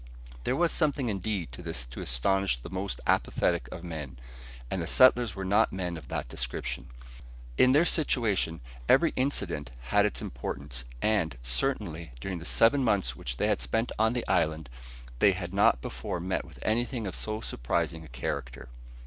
There was something indeed in this to astonish the most apathetic of men, and the settlers were not men of that description. In their situation every incident had its importance, and, certainly, during the seven months which they had spent on the island, they had not before met with anything of so surprising a character.